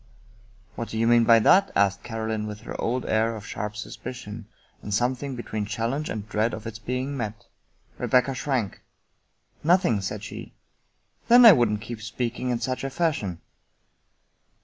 " What do you mean by that ?" asked Caroline with her old air of sharp suspicion, and something between challenge and dread of its being met. Rebecca shrank. " Nothing," said she. " Then I wouldn't keep speaking in such a fashion."